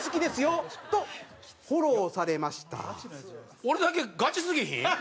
俺だけガチすぎひん？